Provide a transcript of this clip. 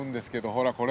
ほらこれ。